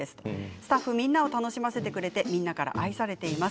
スタッフみんなを楽しませてくれてみんなから愛されています。